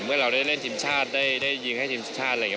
เมื่อเราได้เล่นทีมชาติได้ยิงให้ทีมชาติอะไรอย่างนี้